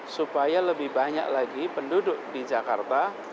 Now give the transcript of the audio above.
supaya lebih banyak lagi penduduk di jakarta